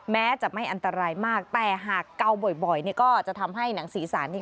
แม้จะไม่อันตรายมากแต่หากเกาบ่อยก็จะทำให้หนังสีสารนี้